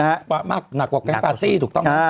นักกว่ากับแก๊งปาซี่ถูกต้อง